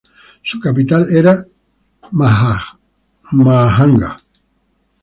Su capital era Mahajanga.